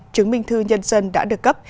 chứng minh thư nhân dân đã được cấp